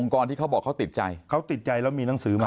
กรที่เขาบอกเขาติดใจเขาติดใจแล้วมีหนังสือมา